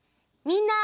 みんな。